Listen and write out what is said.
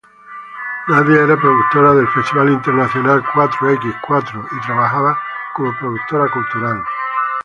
Nadia era productora del Festival Internacional Cuatro x Cuatro y trabajaba como productora cultural.